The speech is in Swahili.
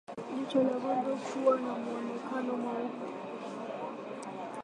Jicho la ngombe kuwa na mwonekano mweupe